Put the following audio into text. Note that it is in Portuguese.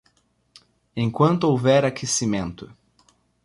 Enquanto houver aquecimento